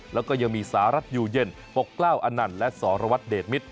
แล้วก็ยังมีสหรัฐอยู่เย็นปกเกล้าอนันต์และสรวัตรเดชมิตร